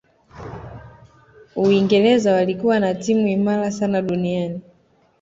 uingereza walikuwa na timu imara sana duniani